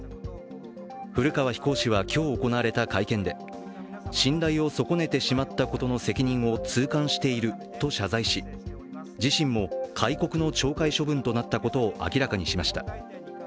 古川飛行士は今日行われた会見で信頼を損ねてしまったことの責任を痛感していると謝罪し自身も戒告の懲戒処分となったことを明らかにしました。